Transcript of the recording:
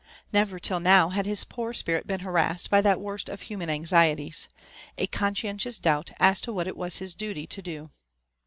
Never till now had his poor spirit been harassed by that worst of human anxieties,— a conscientious doubt as to what it was his duly to do.